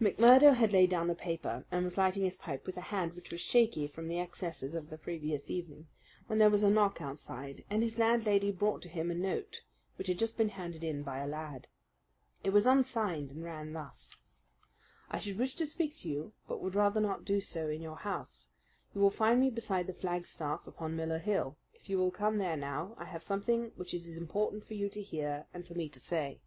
McMurdo had laid down the paper, and was lighting his pipe with a hand which was shaky from the excesses of the previous evening, when there was a knock outside, and his landlady brought to him a note which had just been handed in by a lad. It was unsigned, and ran thus: I should wish to speak to you, but would rather not do so in your house. You will find me beside the flagstaff upon Miller Hill. If you will come there now, I have something which it is important for you to hear and for me to say.